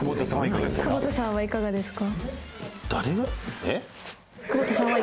久保田さんはいかがですか？